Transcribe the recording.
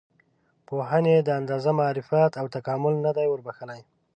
پوهنې دا اندازه معرفت او تکامل نه دی وربښلی.